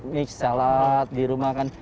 mix salat di rumah kan